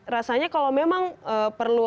rasanya kalau memang perlu